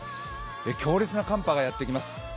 強烈な寒波がやってきます。